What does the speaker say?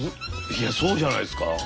いやそうじゃないですか？